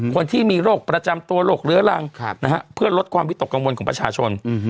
คนที่มีโรคประจำตัวโรคเรื้อรังเพื่อลดความวิตกกังวลของประชาชน